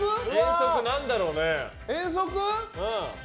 何だろうね。